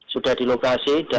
sudah di lokasi dan